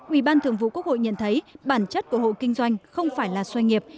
ubth nhận thấy bản chất của hộ kinh doanh không phải là doanh nghiệp